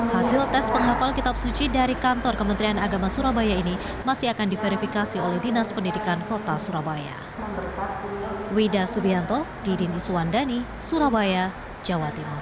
hasil tes penghafal kitab suci dari kantor kementerian agama surabaya ini masih akan diverifikasi oleh dinas pendidikan kota surabaya